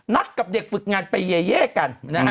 กับเด็กฝึกงานไปเย่กัน